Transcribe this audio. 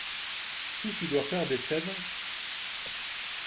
Si tu dois faire des scènes…